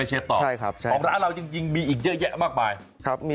ข้างบัวแห่งสันยินดีต้อนรับทุกท่านนะครับ